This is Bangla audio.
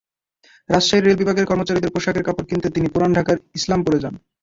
রাজশাহীর রেল বিভাগের কর্মচারীদের পোশাকের কাপড় কিনতে তিনি পুরান ঢাকার ইসলামপুরে যান।